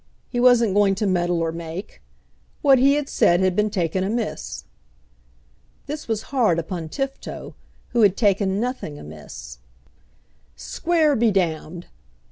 He wasn't going to meddle or make. What he had said had been taken amiss." This was hard upon Tifto, who had taken nothing amiss. "Square be d